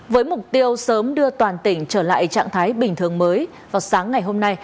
với mục tiêu sớm đưa toàn tỉnh trở lại trạng thái bình thường mới vào sáng ngày hôm nay